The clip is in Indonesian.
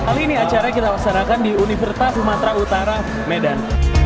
kali ini acara kita laksanakan di universitas sumatera utara medan